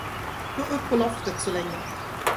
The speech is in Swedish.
Gå upp på loftet så länge.